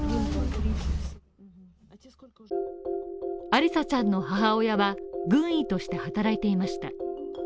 アリサちゃんの母親は軍医として働いていました。